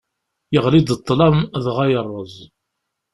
Yeɣli-d ṭṭlam dɣa yerreẓ.